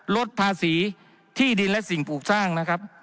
ลดภาษีที่ดินและสิ่งปลูกสร้างนะครับ